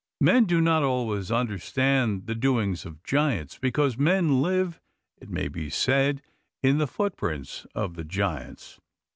Men do not always understand the doings of giants, because men live, it may be said, in the footprints of the giants.